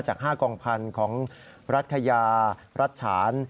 จาก๕กองพันธุ์ของรัฐคยารัฐฉาน